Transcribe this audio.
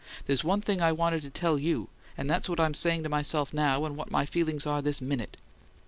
There's one thing I want to tell YOU, and that's what I'm saying to myself NOW, and what my feelings are this MINUTE!"